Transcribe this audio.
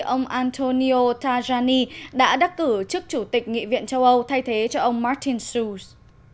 ông antonio tazzani đã đắc cử trước chủ tịch nghị viện châu âu thay thế cho ông martin sous